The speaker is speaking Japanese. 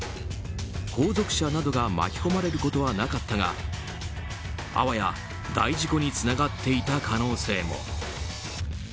後続車などが巻き込まれることはなかったがあわや大事故につながっていた可能性も。